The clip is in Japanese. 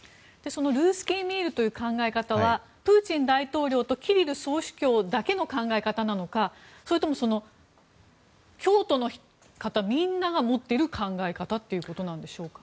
そのルースキー・ミールという考え方はプーチン大統領とキリル総主教だけの考え方なのかそれとも、教徒の方みんなが持っている考え方ということなんでしょうか。